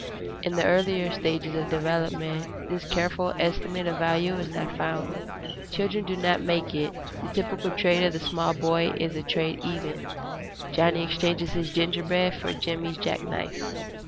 In the earlier stages of development, this careful estimate of value is not found. Children do not make it. The typical trade of the small boy is a "trade even"; Johnny exchanges his gingerbread for Jimmie's jack knife.